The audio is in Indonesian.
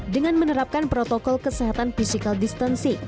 dengan menerapkan protokol kesehatan physical distancing